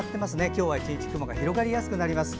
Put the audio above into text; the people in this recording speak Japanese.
今日は一日雲が広がりやすくなります。